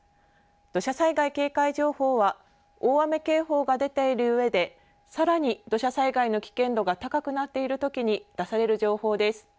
土砂災害警戒情報は大雨警報が出ているうえでさらに土砂災害の危険度が高くなっているときに出される情報です。